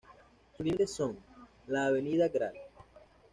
Sus límites son: la avenida Gral.